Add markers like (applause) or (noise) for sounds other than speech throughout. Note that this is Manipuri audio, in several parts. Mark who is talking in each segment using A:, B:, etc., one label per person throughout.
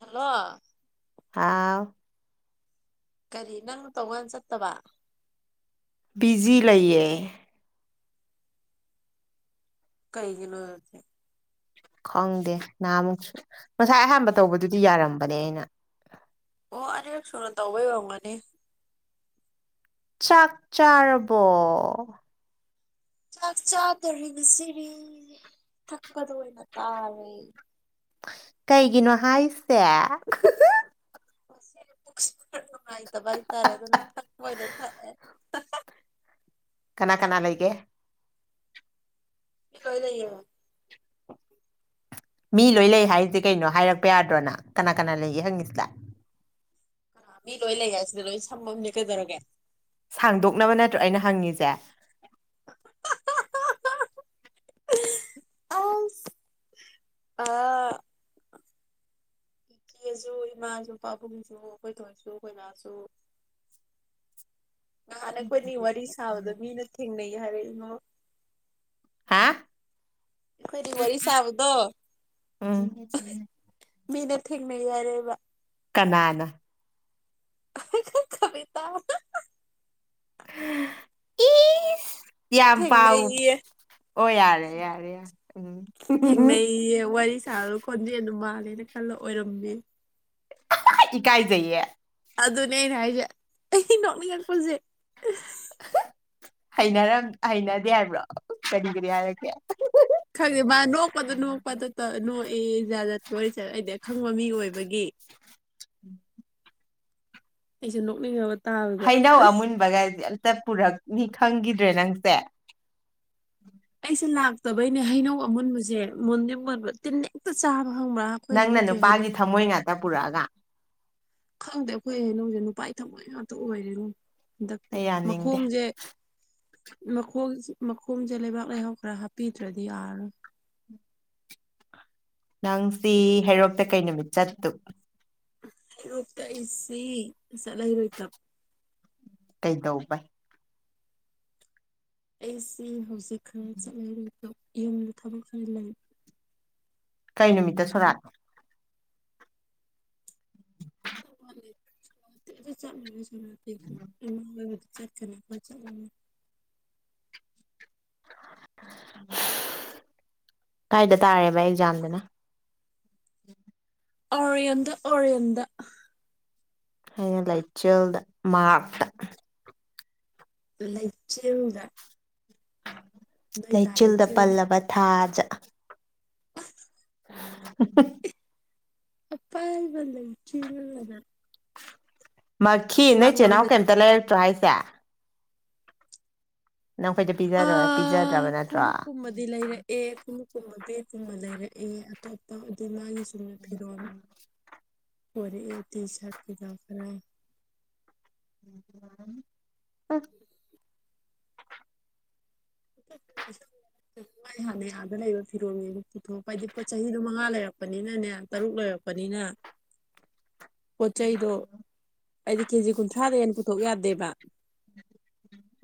A: ꯍꯜꯂꯣ
B: ꯍꯥꯥꯎ
A: ꯀꯔꯤ ꯅꯪ ꯇꯧꯀꯥꯟ ꯆꯠꯇꯕ
B: ꯕꯤꯖꯤꯖꯤ ꯂꯩꯌꯦ
A: ꯀꯩꯒꯤꯅꯣ ꯑꯣꯏꯁꯦ
B: ꯈꯪꯗꯦ ꯅꯍꯥꯃꯨꯛꯁꯨ ꯉꯁꯥꯏ ꯑꯍꯥꯟꯕ ꯇꯧꯕꯗꯨꯗꯤ ꯌꯥꯔꯝꯕꯅꯦ ꯑꯩꯅ
A: ꯑꯣ ꯑꯅꯤꯔꯛ ꯁꯨꯅ ꯇꯧꯕꯩ ꯑꯣꯏꯔꯝꯒꯅꯤ
B: ꯆꯥꯛ ꯆꯔꯔꯕꯣ
A: ꯆꯥꯛ ꯆꯗꯔꯤ ꯉꯁꯤꯒꯤ ꯀ ꯑꯗꯨ ꯑꯣꯏ ꯅ ꯇꯥꯔ
B: ꯀꯩꯒꯤꯅꯣ ꯍꯥꯏꯁꯦ
A: (inaudible) ꯅꯨꯉꯥꯏꯇꯥꯕꯥ ꯍꯩꯇꯔꯦ ꯑꯗꯨꯅ ꯊꯄꯣꯏꯗ ꯊꯛ ꯑꯦ
B: (inaudible)
A: ꯏꯀꯥꯏ ꯂꯩꯌꯦ
B: ꯃꯤ ꯂꯣꯏ ꯂꯩ ꯍꯥꯏꯔꯤꯁꯦ ꯀꯩꯅꯣ ꯍꯥꯏꯔꯛꯄ ꯌꯥꯗ꯭ꯔꯣꯅ ꯀꯅꯥ ꯀꯅꯥ ꯂꯩꯒꯦ ꯍꯪꯉꯤꯁꯤꯗ
A: ꯃꯤ ꯂꯣꯏ ꯂꯩ ꯍꯥꯏꯁꯤꯗ ꯂꯣꯏ ꯁꯝꯃꯝꯅꯦ ꯀꯩꯗꯧꯔꯒꯦ
B: ꯁꯥꯡꯗꯣꯛꯅꯕ ꯅꯠꯇ꯭ꯔꯣ ꯑꯩꯅ ꯍꯪꯉꯤꯁꯦ
A: ꯑꯁ ꯑ ꯏꯆꯦꯁꯨ ꯏꯃꯥꯁꯨ ꯄꯥꯕꯨꯡꯁꯨ ꯑꯩꯈꯣꯏ ꯊꯣꯏꯁꯨ ꯑꯩꯈꯣꯏꯃꯥꯁꯨ ꯅꯍꯥꯟꯅ ꯑꯩꯈꯣꯏꯅꯤ ꯋꯥꯔꯤ ꯁꯥꯕꯗꯣ ꯃꯤꯅ ꯊꯦꯡꯅꯩ ꯍꯥꯏꯔꯛꯏꯉꯣ
B: ꯍꯥ
A: ꯑꯩꯈꯣꯏꯗꯤ ꯋꯥꯔꯤ ꯁꯥꯕꯗꯣ
B: ꯎꯝ
A: ꯃꯤꯅ ꯊꯦꯡꯅꯩ
B: ꯀꯅꯥꯅꯥ
A: (unintelligible)
B: ꯏꯁ ꯌꯥꯝ
A: ꯊꯦꯡꯅꯩꯌꯦ ꯊꯦꯡꯅꯩꯌꯦ ꯅꯦꯅꯦ ꯈꯜꯂ ꯑꯣꯏꯔꯝꯃꯦ
B: ꯏꯀꯥꯏꯖꯩꯌꯦ
A: ꯑꯗꯨꯅꯦ ꯑꯩꯅ ꯍꯥꯏꯁꯦ ꯑꯩ ꯅꯣꯛꯅꯤꯡꯉꯛꯄꯁꯦ
B: ꯍꯩꯅꯔꯝ ꯍꯩꯅꯗꯦ ꯍꯥꯏꯕ꯭ꯔꯣ ꯀꯔꯤ ꯀꯔꯤ ꯍꯥꯏꯔꯛꯀꯦ
A: ꯑꯦ ꯖꯥꯠ ꯖꯥꯠ ꯃꯣꯏꯁꯠ ꯑꯩꯗꯤ ꯑꯈꯪꯕ ꯃꯤ ꯑꯣꯏꯕꯒꯤ
B: (inaudible)
A: ꯑꯩꯁꯦ ꯅꯣꯛꯅꯤꯡ ꯉꯥꯕ
B: ꯍꯩꯩꯅꯧ ꯑꯃꯨꯟꯕꯒꯥꯏꯁꯦ ꯑꯃ ꯇ ꯄꯨꯔꯛꯅꯤ ꯈꯪꯒꯤꯗ꯭ꯔꯦ ꯅꯪꯁꯦ
A: ꯑꯩꯁꯦ ꯂꯥꯛꯇꯕꯩꯅꯦ ꯍꯩꯅꯧ ꯑꯃꯨꯟꯕꯁꯦ ꯃꯨꯟꯗꯤ ꯃꯨꯟꯕ ꯇꯤꯍꯦꯛꯇ ꯆꯥꯕ ꯈꯪꯕ꯭ꯔꯥ ꯑꯩꯈꯣꯏ
B: ꯅꯪꯅ
A: ꯍꯟꯗꯛꯀꯤ
B: ꯅꯨꯄꯥꯒꯤ
A: ꯍꯩꯅꯧꯁꯦ
B: ꯊꯝꯃꯣꯏ ꯉꯥꯛꯇ ꯄꯨꯔꯛꯑꯒ
A: ꯈꯪꯗꯦ ꯑꯩꯈꯣꯏ ꯍꯩꯅꯧꯁꯦ ꯅꯨꯄꯥꯏ ꯊꯃꯣꯏ ꯉꯥꯛꯇ ꯑꯣꯏꯔꯦꯉꯣ ꯍꯟꯗꯛꯇꯤ
B: ꯑꯩ ꯌꯥꯅꯤꯡꯗꯦ
A: ꯃꯈꯣꯡꯁꯦ ꯃꯈꯣꯡꯁꯦ ꯃꯈꯣꯡꯁꯦ ꯂꯩꯕꯥꯛ ꯂꯩꯍꯥꯎ ꯈꯔ ꯍꯥꯞꯄꯤꯗ꯭ꯔꯗꯤ ꯌꯥꯔꯣꯏ
B: ꯅꯪꯁꯤ ꯍꯩꯔꯣꯛ
A: ꯍꯩꯔꯣꯛꯇ ꯑꯩꯁꯤ ꯆꯠꯂꯥꯔꯣꯏꯇꯞ
B: ꯀꯩꯗꯧꯕꯩ
A: ꯑꯩꯁꯤ ꯍꯧꯖꯤꯛ ꯏꯈꯪ ꯆꯠꯂꯥꯔꯣꯏ ꯗꯣ ꯌꯨꯝ ꯊꯕꯛ ꯈꯔꯥ ꯂꯩ
B: ꯀꯩ ꯅꯨꯃꯤꯠ
A: ꯆ (unintelligible) ꯆꯠꯀꯅꯤ ꯈꯣꯠꯀꯅꯤ
B: ꯀꯥꯏꯗ ꯇꯥꯔꯦꯕ ꯑꯦꯛꯖꯥꯝꯗꯨꯅ
A: ꯑꯣꯔꯤꯌꯝꯗ ꯑꯣꯔꯤꯌꯝꯗ
B: ꯑꯩꯅ ꯂꯥꯏꯆꯦꯜꯗ ꯃꯥꯇ
A: ꯂꯩꯥ ꯆꯤꯜꯅ
B: ꯂꯩꯆꯤꯜꯗ ꯄꯜꯂꯕ ꯊꯥꯖ (unintelligible) (unintelligible)
A: ꯑꯄꯥꯕ ꯂꯩ ꯆꯤꯅ
B: ꯃꯈꯈꯤ ꯅꯣꯏ ꯆꯤꯜꯍꯅꯥꯎ ꯀꯩꯝꯇ ꯂꯩꯔꯛꯇ꯭ꯔꯥꯏ (unintelligible) ꯅꯪꯈꯣꯏꯗ ꯄꯤꯖ
A: ꯑ
B: ꯄꯤꯖꯗ꯭ꯔꯕ ꯅꯠꯇ꯭ꯔꯣ
A: ꯀꯨꯝ ꯕꯒꯀꯨꯝꯕ ꯂꯩꯔꯛꯑꯦ ꯑꯇꯣꯞꯄ ꯑꯗꯨ ꯃꯥꯒꯤ ꯗꯨꯅ ꯐꯤꯔꯣꯟ ꯄꯔꯦꯛꯑꯦ ꯇꯤ (unintelligible)
B: (inaudible) ꯎꯝ
A: (unintelligible) ꯍꯥꯟꯅꯩ ꯑꯗꯥ ꯂꯩꯕ ꯐꯤꯔꯣꯜꯒꯤ ꯑꯃ ꯄꯨꯊꯣꯛꯄ ꯍꯥꯏꯗꯤ ꯄꯣꯠ ꯆꯍꯤꯗꯣ ꯃꯉꯥ ꯂꯩꯔꯛꯄꯅꯤꯅꯅꯦ ꯇꯔꯨꯛ ꯂꯩꯔꯛꯄꯅꯤꯅ ꯄꯣꯠ ꯆꯩꯩꯗꯣ ꯑꯩꯗꯤ ꯀꯦꯖꯤ ꯀꯨꯟꯊ꯭ꯔꯥꯗ ꯍꯦꯟꯅ ꯄꯨꯊꯣꯛ ꯌꯥꯗꯦꯕ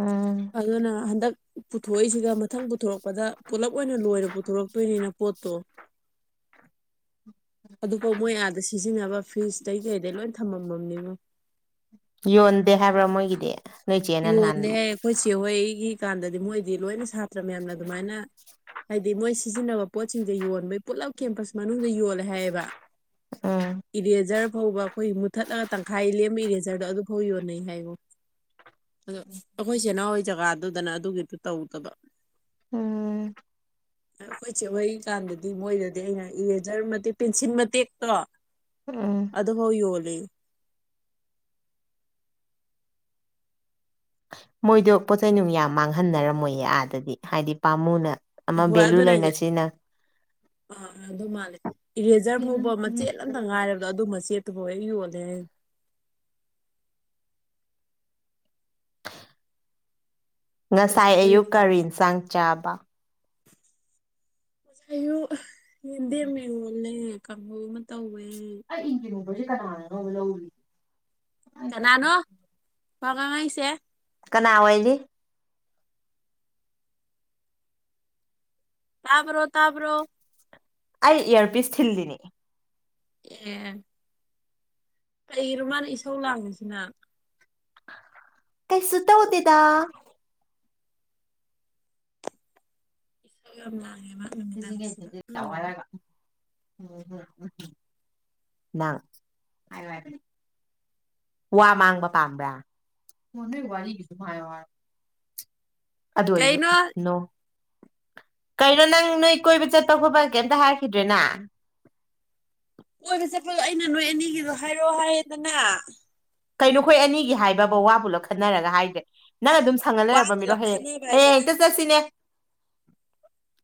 B: ꯎꯝ
A: ꯑꯗꯨꯅ ꯍꯟꯗꯛ ꯄꯨꯊꯣꯛꯏꯁꯤꯒ ꯃꯊꯪ ꯄꯨꯊꯣꯔꯛꯄꯗ ꯄꯨꯂꯞ ꯑꯣꯏꯅ ꯂꯣꯏꯔ ꯄꯨꯊꯣꯔꯛꯇꯣꯏꯅꯤꯅ ꯄꯣꯠꯇꯣ ꯎꯝ ꯑꯗꯨꯐꯥꯎ ꯃꯣꯏ ꯌꯥꯗꯁꯤ ꯁꯤꯖꯤꯟꯅꯕ ꯐ꯭ꯔꯤꯖꯇꯩꯩ ꯀꯩꯗꯩ ꯂꯣꯏ ꯊꯝꯃꯝꯃꯝꯅꯤꯕꯣ
B: ꯌꯣꯟꯗꯦ ꯍꯥꯏꯕ꯭ꯔꯥ ꯃꯣꯏꯒꯤꯗꯤ ꯅꯣꯏ ꯆꯦꯅ ꯅꯍꯥꯟ
A: ꯌꯣꯟꯅꯦꯦ ꯑꯩꯈꯣꯏ ꯆꯦ ꯍꯣꯏ ꯑꯩꯒꯤ ꯀꯥꯟꯗꯗꯤ ꯃꯣꯏꯗꯤ ꯂꯣꯏꯅ ꯁꯥꯇ꯭ꯔ ꯃꯌꯥꯝꯅ ꯑꯗꯨꯃꯥꯏꯅ ꯍꯥꯏꯗꯤ ꯃꯣꯏ ꯁꯤꯖꯤꯟꯅꯕ ꯄꯣꯠꯁꯤꯡꯁꯦ ꯌꯣꯟꯕꯩ ꯄꯨꯂꯞ ꯀꯦꯝꯄꯁ ꯃꯅꯨꯡꯗ ꯌꯣꯜꯂꯦ ꯍꯥꯏꯌꯦꯕ
B: ꯎꯝ
A: ꯏꯔꯤ ꯍꯖꯔ ꯐꯥꯎꯕ ꯑꯩꯈꯣꯏ ꯃꯨꯠꯊꯠꯂꯒ ꯇꯪꯈꯥꯏ ꯂꯦꯝꯕ ꯏꯔꯦꯖꯔꯗꯣ ꯑꯗꯨ ꯐꯧ ꯌꯣꯟꯅꯩ ꯍꯥꯏꯕꯣ ꯑꯗꯣ ꯑꯩꯈꯣꯏ ꯆꯦꯅꯥꯎ ꯍꯣꯏ ꯖꯒꯥꯗꯨꯗꯅ ꯑꯗꯨꯒꯤꯗꯨ ꯇꯧꯗꯕ
B: ꯎꯝ
A: ꯑꯩꯈꯣꯏꯁꯦ ꯍ ꯀꯥꯟꯗꯗꯤ ꯃꯣꯏꯗꯗꯤ ꯑꯩꯅ ꯏꯔꯦꯖꯔ ꯃꯇꯦꯛ ꯄꯦꯟꯁꯤꯜ ꯃꯇꯦꯛꯇꯣ
B: ꯎꯝ
A: ꯑꯗ ꯍ ꯌꯣꯜ ꯄꯨꯦ
B: ꯃꯣꯏꯗꯣ ꯄꯣꯠꯆꯩꯅꯨꯡ ꯌꯥꯝ ꯃꯥꯡꯍꯟꯅꯔꯝꯃꯣꯏꯌꯦ ꯑꯥꯗꯗꯤ ꯍꯥꯏꯗꯤ ꯄꯥꯃꯨꯅ
A: ꯍꯣꯏ ꯑꯗꯨꯅ ꯍꯥꯏꯁꯦ ꯑꯥ ꯑꯗꯨ ꯃꯥꯜꯂꯦ ꯏꯔꯦꯖꯔ ꯐꯥꯎꯕ ꯃꯆꯦꯠ ꯑꯃꯝꯇ ꯉꯥꯏꯔꯕꯗꯣ ꯑꯗꯨ ꯃꯆꯦꯠ ꯇꯕꯌꯦ ꯑꯣꯣꯗ
B: ꯉꯁꯥꯏ
A: ꯄꯩꯁꯥꯗꯣ
B: ꯑꯌꯨꯛ ꯀꯔꯤ ꯏꯟꯁꯥꯡ ꯆꯥꯕ
A: ꯑꯣꯨ ꯌꯦꯟꯗꯦꯝ ꯏꯔꯣꯜꯂꯦ ꯀꯝꯕꯨ ꯑꯃ ꯇꯧꯋꯦ
B: ꯑ ꯏꯔ ꯃ ꯀ ꯂ
A: ꯀ ꯅꯅꯣ ꯒꯥ ꯉꯥꯏꯁꯦ
B: ꯀꯅꯥꯋꯥꯗꯤ
A: ꯇꯥꯕ꯭ꯔꯣ ꯇꯥꯕ꯭ꯔꯣ
B: ꯑꯩ ꯏꯌꯥꯔꯄꯤꯤꯁ ꯊꯤꯜꯂꯤꯅꯦ
A: ꯑꯦ ꯀꯩꯔꯣ ꯃꯥꯅ ꯏꯁꯧ ꯂꯥꯡꯉꯁꯤꯅ
B: ꯀꯩ ꯁꯇꯥ ꯍꯧꯇꯗ
A: ꯄꯒꯂ
B: ꯁꯤꯁꯤꯒꯦꯁꯤꯖꯤ ꯋꯥꯏꯔꯒ ꯪ ꯋꯥ ꯃꯥꯡꯕ ꯄꯥꯝꯕ꯭ꯔꯥ ꯑꯗꯨ ꯑꯣꯏꯁꯨ
A: ꯀꯩꯅꯣ
B: ꯅꯣ ꯀꯩꯅꯣ ꯅꯪ ꯅꯣꯏ ꯀꯣꯏꯕ ꯆꯠꯄ ꯈꯣꯠꯄ ꯀꯩꯇ ꯍꯥꯏꯈꯤꯗ꯭ꯔꯦꯅꯥ
A: ꯑꯣꯏꯕ ꯆꯠꯄꯗꯣ ꯑꯩꯅ ꯅꯣꯏ ꯑꯅꯤꯒꯤꯗꯣ ꯍꯥꯏꯔꯛꯑꯣ ꯍꯥꯏ ꯑꯗꯨꯗꯅ
B: ꯀꯩꯅꯣꯈꯣꯏ ꯑꯅꯤꯒꯤ ꯍꯥꯏꯕꯕꯨ ꯋꯥꯕꯨꯂ ꯈꯟꯅꯔꯒ ꯍꯥꯏꯈ꯭ꯔꯦ ꯅꯪ ꯑꯗꯨꯝ ꯁꯪꯉ
A: ꯋꯥ
B: ꯂꯩꯔꯕ ꯃꯤꯔꯣ
A: ꯄꯨꯂꯞ
B: ꯍꯌꯦꯡ
A: ꯈꯟꯅꯕ ꯍꯥꯏꯁꯦ
B: ꯍꯌꯦꯡ ꯍꯦꯛꯇ ꯆꯠꯁꯤꯅꯦ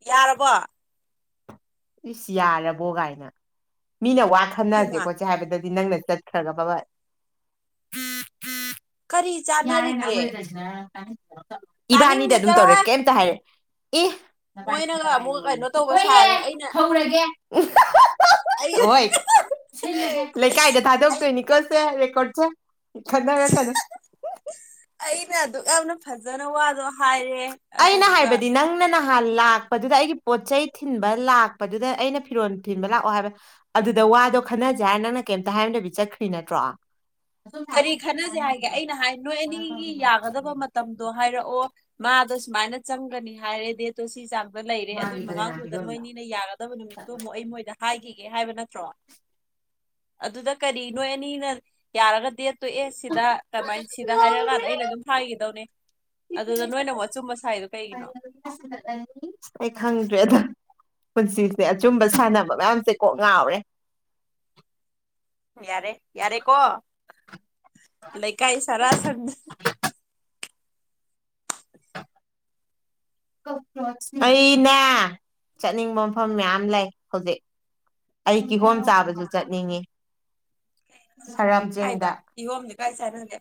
A: ꯌꯥꯔꯕ
B: ꯏꯁꯁ ꯌꯥꯔꯕꯣ ꯀꯥꯏꯅ ꯃꯤꯅ ꯋꯥ ꯈꯟꯅꯁꯦ
A: ꯍꯩꯃꯥ
B: ꯈꯣꯠꯁꯦ ꯍꯥꯏꯕꯗꯗꯤ ꯗꯤ ꯅꯪꯅ ꯆꯠꯈ꯭ꯔꯒ ꯕꯕꯥ
A: ꯀꯔꯤ
B: ꯌꯥꯔꯦꯅ
A: ꯆꯥꯟꯅꯔꯤꯒꯦ
B: ꯑꯩꯈꯣꯏꯗ (inaudible) ꯏꯕꯥꯅꯤꯗ
A: ꯇꯥꯅꯤꯡꯗꯦ
B: ꯑꯗꯨꯝ ꯇꯧꯔꯦ
A: ꯆꯠꯂꯣꯍꯦ
B: ꯀꯩꯝꯇ ꯍꯥꯏꯔꯦ
A: ꯃꯣꯏꯅꯒ ꯑꯃꯨꯛ ꯀꯩꯅꯣ ꯇꯧꯕ
B: ꯍꯣꯏ
A: ꯁꯥꯔꯦ ꯑꯩꯅ
B: ꯍꯧꯔꯒꯦ
A: ꯑꯩ
B: ꯍꯣꯏ ꯂꯩꯀꯥꯏꯗ
A: ꯑꯩ
B: ꯊꯥꯗꯣꯛꯇꯣꯏꯅꯤꯀꯣ ꯁꯦ (unintelligible) ꯈꯔꯅꯔꯛꯀꯅꯨ
A: ꯑꯩꯅ ꯑꯗꯨꯛ ꯌꯥꯝꯅ ꯐꯖꯅ ꯋꯥꯗꯣ ꯍꯥꯏꯔꯦ
B: ꯑꯩꯅ
A: ꯑꯗꯨꯗꯨꯒ
B: ꯍꯥꯏꯕꯗꯤ ꯅꯪꯅ ꯂꯥꯛꯄꯗꯨꯗ ꯑꯩꯒꯤ ꯄꯣꯠ ꯆꯩ ꯊꯤꯟꯕ ꯂꯥꯛꯄꯗꯨꯗ ꯑꯩꯅ ꯐꯤꯔꯣꯜ ꯊꯤꯟꯕ ꯂꯥꯛꯑꯣ ꯍꯥꯏꯕ ꯑꯗꯨꯗ ꯋꯥꯗꯣ ꯈꯟꯅꯖꯦ ꯍꯥꯏꯔ ꯅꯪꯅ ꯀꯩꯝꯇ ꯍꯥꯏꯔꯝꯗꯕꯤ ꯆꯠꯈ꯭ꯔꯤ ꯅꯠꯇ꯭ꯔꯣ
A: ꯀꯔꯤ ꯈꯟꯅꯖꯦ ꯍꯥꯏꯒꯦ ꯑꯩꯅ ꯍꯥꯏ ꯅꯣꯏ ꯑꯅꯤꯒꯤ ꯌꯥꯒꯗꯕ ꯃꯇꯝꯗꯣ ꯍꯥꯏꯔꯛꯑꯣ ꯃꯥꯗꯣ ꯁꯨꯃꯥꯏꯅ ꯆꯪꯒꯅꯤ ꯍꯥꯏꯔꯦ ꯗꯦꯠꯇꯣ ꯁꯤ ꯆꯥ ꯂꯩꯔꯦ ꯑꯗꯨꯏ ꯃꯃꯥꯡꯗꯨꯗ ꯅꯣꯏꯅꯤꯅ ꯌꯥꯒꯗꯕ ꯅꯨꯃꯤꯠꯇꯨ ꯑꯃꯨꯛ ꯑꯩ ꯃꯣꯏꯗ ꯍꯥꯏꯒꯤꯒꯦ ꯍꯥꯏꯕ ꯅꯠꯇ꯭ꯔꯣ ꯑꯗꯨꯗ ꯀꯔꯤ ꯅꯣꯏ ꯑꯅꯤꯅ ꯌꯥꯔꯒ ꯗꯦꯠꯇꯨ ꯑꯦꯠ ꯁꯤꯗ ꯀꯃꯥꯏꯅ ꯁꯤꯗ ꯍꯥꯏꯔꯛꯑꯀꯥꯟꯗ ꯑꯩꯅ ꯑꯗꯨꯝ ꯍꯥꯏꯈꯤꯗꯧꯅꯦ ꯑꯗꯨꯗ ꯅꯣꯏꯅ ꯑꯃꯨꯛ ꯑꯆꯨꯝꯕ ꯁꯥꯏꯗꯣ ꯀꯩꯒꯤꯅꯣ
B: ꯑꯩ ꯈꯪꯗ꯭ꯔꯦ ꯑꯗꯣ ꯄꯨꯟꯁꯤꯁꯦ ꯑꯆꯨꯝꯕ ꯁꯥꯟꯅꯕ ꯃꯌꯥꯝꯁꯦ ꯀꯣꯛ ꯉꯥꯎꯔꯦ
A: ꯌꯥꯔꯦ ꯌꯥꯔꯦ ꯀꯣ ꯂꯩꯀꯥꯏ ꯁꯔꯥꯁꯟ
B: ꯑꯩꯅꯦ ꯆꯠꯅꯤꯡꯕ ꯃꯐꯝ ꯃꯌꯥꯝ ꯂꯩ ꯍꯧꯖꯤꯛ ꯑꯩ ꯀꯤꯍꯣꯝ ꯆꯥꯕꯁꯨ ꯆꯠꯅꯤꯡꯉꯤ ꯁꯔꯥꯝꯆꯤꯡꯗ
A: ꯀꯥꯢ ꯆꯥꯅꯥꯅꯤ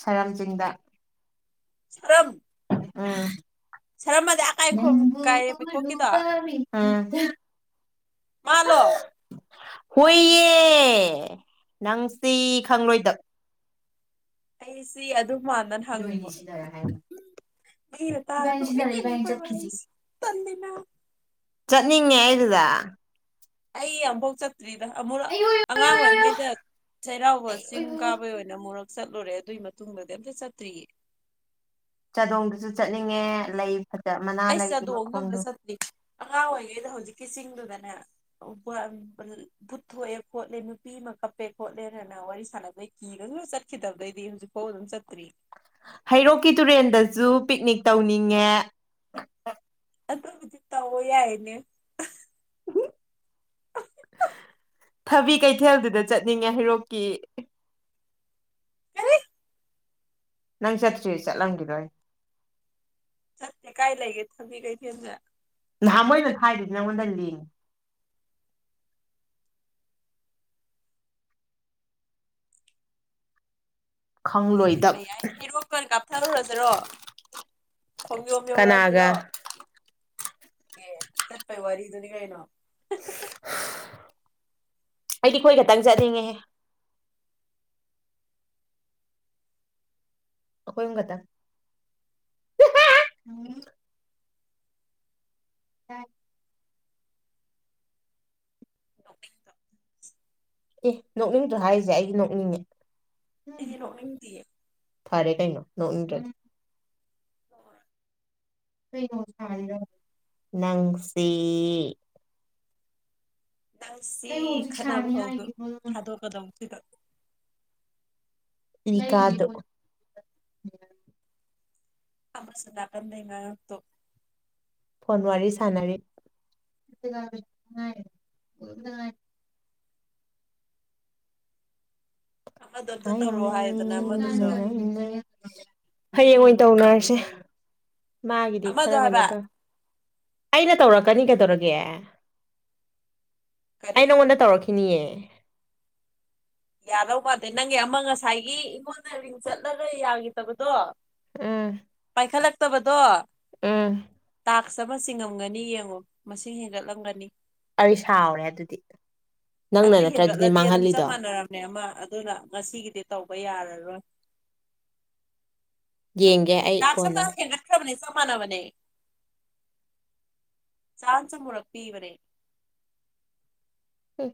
B: ꯁꯔꯝꯆꯤꯡꯗ
A: ꯁꯔꯝ
B: ꯑꯝ
A: ꯁꯔꯃꯥꯗꯤ ꯑ ꯀꯥꯏꯔꯦꯡꯈꯣꯡ ꯀꯥꯏꯔꯦꯝꯈꯣꯛꯀꯤꯗꯣ
B: ꯎꯝ
A: ꯃꯥꯜꯂꯣ
B: ꯍꯣꯏꯌꯦ ꯅꯪꯁꯤ ꯈꯪꯂꯣꯏꯗ
A: ꯑꯩꯁꯤ ꯑꯗꯨ ꯃꯥꯟꯗꯅ ꯍꯪꯕ ꯃꯤꯅꯥ ꯇꯔꯥ ꯅꯣꯛꯅꯤꯡꯗꯣꯏꯅꯤ ꯈꯣꯏ ꯋꯔꯤꯁꯦ ꯇꯟꯗꯦꯅ
B: ꯆꯠꯅꯤꯡꯉꯦ ꯑꯩꯗꯨꯗ
A: ꯑꯩ ꯑꯝꯚꯧ ꯆꯠ ꯇ꯭ꯔꯤꯗ ꯑꯉꯥꯡ ꯑꯣꯢꯔꯤꯉꯩꯗ ꯆꯩꯔꯥꯎꯕ ꯆꯤꯡ ꯀꯥꯕꯩ ꯑꯣꯏꯅ ꯑꯃꯨꯔꯛ ꯆꯠꯂꯨꯔꯦ ꯑꯗꯨꯏ ꯃꯇꯨꯡꯗꯗꯤ ꯑꯝꯇ ꯆꯠꯇ꯭ꯔꯤꯌꯦ
B: ꯆꯥꯗꯣꯡꯗꯁꯨ ꯆꯠꯅꯤꯡꯉꯦ ꯂꯩ ꯐꯖ ꯃꯅꯥ
A: ꯑꯩ
B: ꯂꯩꯒꯤ
A: ꯆꯗꯣꯡꯗ ꯑꯝꯇ
B: ꯃꯈꯣꯡꯗꯣ
A: ꯆꯠꯇꯔꯤ ꯑꯉꯥꯡ ꯑꯣꯏꯔꯤꯉꯩꯗ ꯍꯧꯖꯤꯛꯀꯤ ꯆꯤꯡꯗꯨ ꯑꯗꯨꯅ ꯕꯨꯠꯊꯣꯛꯑꯦ ꯈꯣꯠꯂꯦ ꯅꯨꯄꯤ ꯑꯃ ꯀꯞꯄꯦ ꯈꯣꯠꯂꯦꯅꯅ ꯋꯥꯔꯤ ꯁꯥꯟꯅꯕꯗꯩ ꯀꯤꯔꯒ ꯆꯠꯈꯤꯗꯕꯗꯩꯗꯤ ꯍꯧꯖꯤꯛꯐꯥꯎ ꯑꯗꯨꯝ ꯆꯠꯇ꯭ꯔꯤ
B: ꯍꯩꯔꯣꯛꯀꯤ ꯇꯨꯔꯦꯟꯗꯁꯨ ꯄꯤꯛꯅꯤꯛ ꯇꯧꯅꯤꯡꯉꯦ
A: ꯑꯗꯨꯕꯨꯗꯤ ꯇꯑꯣ ꯌꯥꯏꯅꯦ
B: ꯊꯕꯤ ꯀꯩꯊꯦꯜꯗꯨꯗ ꯆꯠꯅꯤꯡꯉꯦ ꯍꯩꯔꯣꯛꯀꯤ ꯅꯪ ꯆꯠꯇ꯭ꯔꯤ ꯆꯠꯂꯝꯈꯤꯔꯣꯏ
A: ꯆꯠꯇꯦ ꯀꯥꯏ ꯂꯥꯏꯒꯦ ꯊꯕꯤ ꯀꯩꯊꯦꯟꯗ
B: ꯅꯍꯥꯟ ꯃꯣꯏꯅ ꯊꯥꯏꯗꯨꯗꯤ ꯅꯪ ꯉꯣꯟꯗ ꯂꯤꯡꯛ
A: ꯆꯠꯄ
B: ꯈꯪꯂꯣꯏꯗꯕ
A: ꯌꯥꯏ ꯍꯩꯔꯣꯀ ꯇ ꯑꯣꯏꯅ ꯀꯥꯞꯊꯔꯨꯔꯁꯤꯔꯣ ꯈꯣꯡꯖꯣꯝ
B: ꯀꯅꯥꯒ
A: ꯌꯧꯔꯛꯑꯁꯤꯔꯣ ꯑꯦ ꯆꯠꯄꯩ ꯋꯥꯔꯤꯗꯨꯅꯤ ꯀꯩꯅꯣ
B: ꯑꯩꯗꯤ ꯀꯣꯏ ꯈꯛꯇꯪ ꯆꯠꯅꯤꯡꯉꯦꯍꯦ ꯑꯈꯣꯏ ꯑꯍꯨꯝ ꯈꯇꯪ ꯎ
A: ꯅꯣꯛꯅꯤꯡꯗꯣ
B: ꯑꯦ ꯅꯣꯛꯅꯤꯡꯗ ꯍꯥꯏꯔꯤꯁꯦ ꯑꯩꯒꯤ ꯅꯣꯛꯅꯤꯡꯉ
A: ꯑꯩꯗꯤ ꯅꯣꯛꯅꯤꯡ ꯗꯤꯌꯦ
B: ꯐꯔꯦ ꯀꯩꯅꯣ ꯅꯣꯛꯅꯤꯡꯗ꯭ꯔꯗꯤ ꯅꯪꯁꯦ
A: ꯅꯪ ꯁꯤ ꯈꯠꯅꯕ ꯍꯧꯗꯣ ꯊꯥꯗꯣꯛꯀꯗꯧꯕꯁꯤꯗ
B: ꯏ ꯀꯥ ꯑꯗꯨ
A: ꯑꯃꯁꯨ ꯅꯥꯀꯟ ꯗꯩꯩ ꯉꯥꯡꯉꯛ ꯇꯣ
B: ꯐꯣꯟ ꯋꯥꯔꯤ ꯁꯥꯟꯅꯔꯤ
A: ꯑꯃꯗꯣ ꯑꯝꯇ ꯇꯧꯔꯛꯑꯣ
B: ꯍꯥꯏꯅꯩ
A: ꯍꯥꯏꯗꯅ
B: ꯃꯤꯅ
A: ꯑꯃꯗꯨꯁꯨ
B: ꯉꯥꯡ ꯅꯩ ꯍꯌꯦꯡ ꯑꯣꯏ ꯇꯧꯅꯔꯁꯦ ꯃꯥꯒꯤꯗꯤ
A: ꯑꯃꯗꯣ
B: ꯈꯔ ꯀꯩꯅꯣ
A: ꯍꯥꯏꯕ
B: ꯇꯧ ꯑꯩꯅ ꯇꯧꯔꯛ (unintelligible) ꯀꯩꯗꯧꯔꯒꯦ ꯑꯩ
A: ꯀꯔꯤ
B: ꯅꯪꯉꯣꯟꯗ ꯇꯧꯔꯛꯀꯦ (unintelligible)
A: ꯌꯥꯗꯧ ꯃꯥꯟꯗꯦ ꯅꯪꯒꯤ ꯑꯃ ꯉꯁꯥꯏꯒꯤ ꯑꯩꯉꯣꯟꯗ ꯔꯤꯡ ꯆꯠꯂꯒ ꯌꯥꯒꯤꯗꯕꯗꯣ
B: ꯎꯝ
A: ꯄꯥꯏꯈꯠꯂꯛꯇꯕꯗꯣ
B: ꯎꯝ
A: ꯇꯥꯛꯁ ꯑꯃ ꯆꯤꯡꯉꯝꯒꯅꯤ ꯌꯦꯡꯉꯣ ꯃꯁꯤꯡ ꯍꯦꯟꯒꯠꯂꯝꯒꯅꯤ
B: ꯑꯩ ꯁꯥꯎꯔꯦ ꯑꯗꯨꯗꯤ ꯅꯪꯅ
A: ꯑꯗꯨ
B: ꯅꯠꯇ꯭ꯔ ꯑꯗꯨꯗꯤ
A: ꯍꯦꯟꯒꯠꯂꯗꯤ ꯑꯗꯨꯝ ꯆꯞ
B: ꯃꯥꯡꯍꯜꯂꯤꯗꯣ
A: ꯃꯥꯟꯅꯔꯝꯅꯦ ꯑꯃ ꯑꯗꯨꯅ ꯉꯁꯤꯒꯤꯗꯤ ꯇꯧꯕ ꯌꯥꯔ (unintelligible)
B: ꯌꯦꯡꯒꯦ ꯑꯩ ꯀꯣꯟꯅ
A: ꯆꯞ ꯃꯥꯟꯅꯕꯅꯦ ꯆꯥꯟꯁ ꯑꯃꯨꯔꯛ ꯄꯤꯕꯅꯦ
B: ꯍꯝ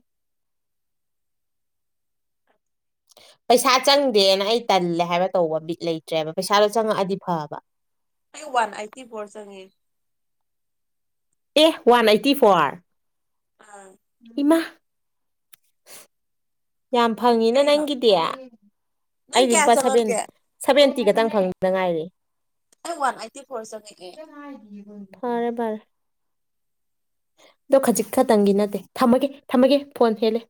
B: ꯄꯩꯁꯥ ꯆꯪꯗꯦꯅ ꯑꯩ ꯇꯜꯂꯦ ꯍꯥꯏꯕ ꯇꯧꯕ ꯕꯤꯠ ꯂꯩꯇ꯭ꯔꯦꯕ ꯄꯩꯁꯥꯗꯣ ꯆꯪꯉꯛ ꯑꯗꯤ ꯐꯕ
A: ꯑꯩ ꯋꯥꯟ ꯑꯩꯠꯇꯤ ꯐꯣꯔ ꯆꯪꯉꯦ
B: ꯑꯦ ꯋꯥꯟ ꯑꯩꯇꯤ ꯐꯣꯔ
A: ꯑꯥ
B: ꯏꯃꯥ ꯌꯥꯝ ꯐꯪꯉꯤꯅ
A: ꯀꯩꯅꯣ
B: ꯅꯪꯒꯤꯗꯤ
A: ꯅꯪ
B: ꯑꯩꯗꯤ
A: ꯀꯌꯥ
B: ꯂꯨꯄꯥ ꯁꯚꯦꯟ
A: ꯆꯪꯉꯛꯀꯦ
B: ꯁꯚꯦꯟ ꯇꯤ ꯈꯛꯇꯪ ꯐꯪꯕꯗ ꯉꯥꯏꯔꯦ
A: ꯑꯩ ꯋꯥꯟ ꯑꯥꯏꯠꯇꯤ ꯐꯣꯔ ꯆꯪꯉꯛꯑꯦ
B: ꯐꯔꯦ ꯐꯔꯦ ꯑꯗꯣ ꯈꯖꯤꯛ ꯈꯛꯇꯪꯒꯤ ꯅꯠꯇꯦ ꯊꯝꯃꯒꯦ ꯊꯝꯃꯒꯦ ꯐꯣꯟ ꯍꯦꯜꯂꯦ